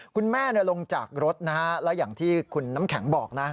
คุณแม่ลงจากรถและอย่างที่คุณน้ำแข็งบอก